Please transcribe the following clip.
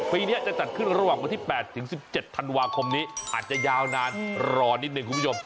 ปีนี้จะจัดขึ้นระหว่างวันที่๘ถึง๑๗ธันวาคมนี้อาจจะยาวนานรอนิดหนึ่งคุณผู้ชม